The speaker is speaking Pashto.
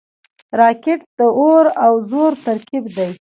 راکټ د اور او زور ترکیب دی